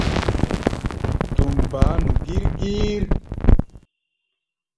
Tum baá nu gír-gír.